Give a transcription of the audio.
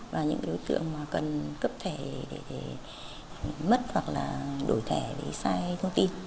và những đối tượng cần cấp thẻ để mất hoặc là đổi thẻ vì sai thông tin